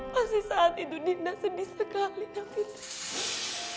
masih saat itu dinda sedih sekali nafitri